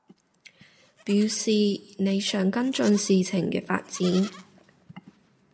表示你想跟進事情嘅發展